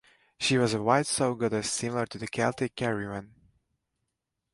She was a white sow goddess similar to the Celtic Cerridwen.